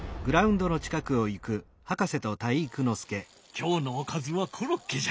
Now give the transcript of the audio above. きょうのおかずはコロッケじゃ。